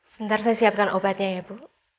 sebentar saya siapkan obatnya ya bu